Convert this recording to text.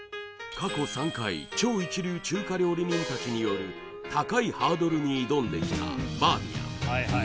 過去３回超一流中華料理人たちによる高いハードルに挑んできたバーミヤン